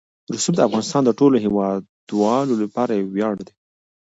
رسوب د افغانستان د ټولو هیوادوالو لپاره یو ویاړ دی.